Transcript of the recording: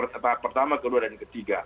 tahap pertama kedua dan ketiga